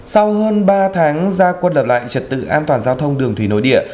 sau hơn ba tháng gia quân lập lại trật tự an toàn giao thông đường thủy nội địa